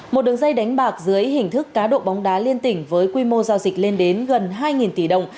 một đường dây đánh bạc dưới hình thức cá độ bóng đá liên tỉnh với quy mô giao dịch lên đến gần hai tỷ đồng